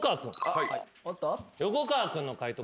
横川君の解答